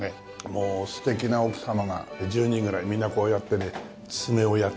もう素敵な奥様が１０人ぐらいみんなこうやってね爪をやってたりね。